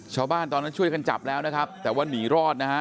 ชาวบ้านตอนนั้นช่วยกันจับแล้วนะครับแต่ว่าหนีรอดนะฮะ